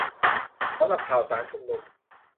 สำหรับข่าวสารชุมนุม